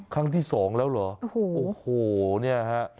ครั้งที่สองแล้วเหรอโอ้โหเนี่ยฮะ